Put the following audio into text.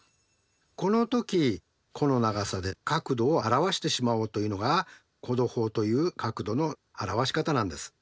この時弧の長さで角度を表してしまおうというのが弧度法という角度の表し方なんです。